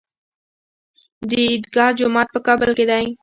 د عیدګاه جومات په کابل کې دی